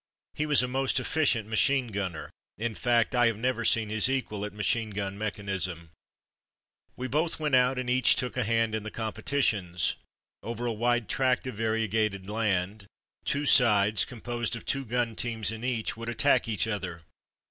He was a most efficient machine gunner, in fact, I have never seen his equal at machine gun mechanism. Rumours of War 63 We both went out and each took a hand in the competitions. Over a wide tract of variegated land, two sides, composed of two gun teams in each, would attack each other.